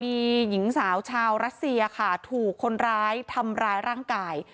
มีหญิงสาวชาวรัสเซียค่ะถูกคนร้ายทำร้ายร่างกาย